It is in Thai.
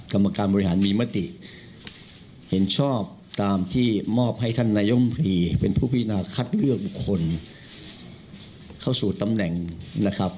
กรรมการบริหารมีมติเห็นชอบตามที่มอบให้ท่านนายมพรีเป็นผู้พินาคัดเลือกบุคคลเข้าสู่ตำแหน่งนะครับ